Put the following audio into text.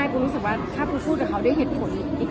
เค้าพูดกับเค้าด้วยเหตุผลอีก